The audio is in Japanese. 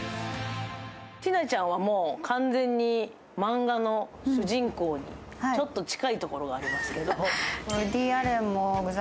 ティナちゃんは完全にマンガの主人公にちょっと近いところがありますけど。